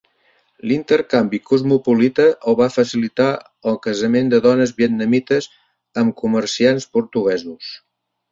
L'intercanvi cosmopolita el va facilitar el casament de dones vietnamites amb comerciants portuguesos.